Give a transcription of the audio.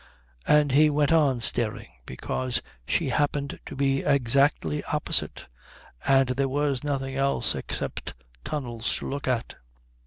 And he went on staring because she happened to be exactly opposite, and there was nothing else except tunnels to look at.